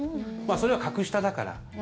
それは格下だから。